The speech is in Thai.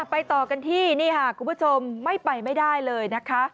ต่อกันที่นี่ค่ะคุณผู้ชมไม่ไปไม่ได้เลยนะคะ